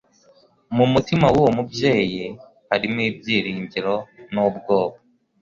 Mu mutima w'uwo mubyeyi harimo ibyiringiro n'ubwoba.